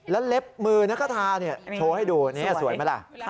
แล้วเล็บมือนักคาทาโชว์ให้ดูนี่สวยไหมล่ะ